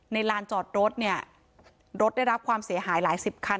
ลานจอดรถเนี่ยรถได้รับความเสียหายหลายสิบคัน